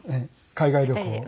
海外旅行。